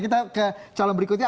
kita ke calon berikutnya